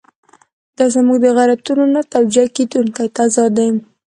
دا زموږ د غیرتونو نه توجیه کېدونکی تضاد دی.